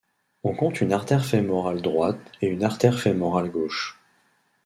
On compte une artère fémorale droite et une artère fémorale gauche.